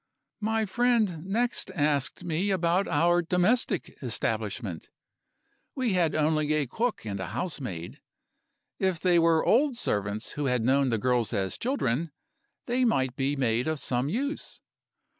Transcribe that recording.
"My friend next asked me about our domestic establishment. We had only a cook and a housemaid. If they were old servants who had known the girls as children, they might be made of some use.